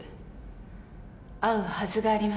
会うはずがありません。